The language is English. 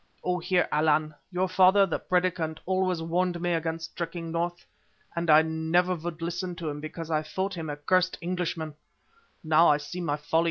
"Oh, Heer Allan, your father, the Predicant, always warned me against trekking north, and I never would listen to him because I thought him a cursed Englishman; now I see my folly.